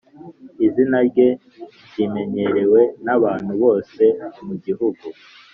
izina rye rimenyerewe nabantu bose mugihugu.